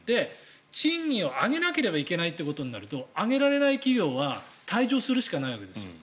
賃金を上げなければいけないということになると上げられない企業は退場するしかないわけですよ。